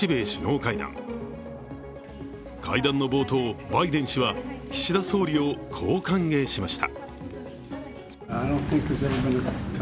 会談の冒頭、バイデン氏は岸田総理をこう歓迎しました。